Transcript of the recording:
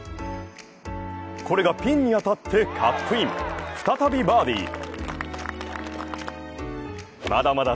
これがピンに当たってカップイン再びバーディ。